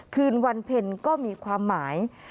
คืนวันเพ็ญก็มีความหมาย